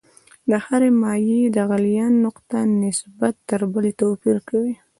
د هرې مایع د غلیان نقطه نسبت تر بلې توپیر کوي.